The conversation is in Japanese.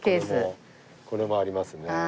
これありますね。